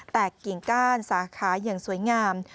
กิ่งก้านสาขาอย่างสวยงาม